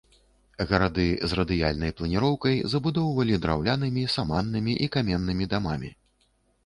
Гарады з радыяльнай планіроўкай забудоўвалі драўлянымі, саманнымі і каменнымі дамамі.